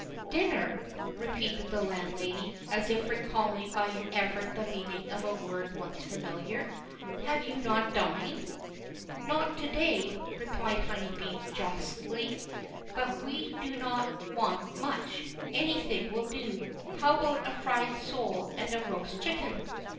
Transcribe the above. "Dinner!" repeated the landlady, as if recalling by an effort the meaning of a word once familiar. "Have you not dined?" "Not to day," replied Honeybee, jocosely; "but we do not want much anything will do. How about a fried sole and a roast chicken?"